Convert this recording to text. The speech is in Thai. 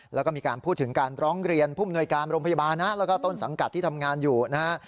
แล้วก็มีการพูดถึงการร้องเรียนผู้มนวยการโรงพยาบาลนะแล้วก็ต้นสังกัดที่ทำงานอยู่นะฮะ